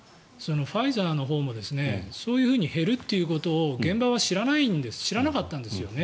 ファイザーのほうもそういうふうに減るということを現場は知らなかったんですよね。